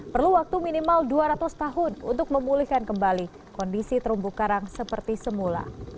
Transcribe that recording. perlu waktu minimal dua ratus tahun untuk memulihkan kembali kondisi terumbu karang seperti semula